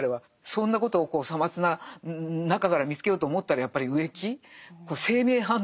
そんなことをさまつな中から見つけようと思ったらやっぱり植木。